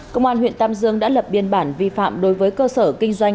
công an huyện tam dương đã lập biên bản vi phạm đối với cơ sở kinh doanh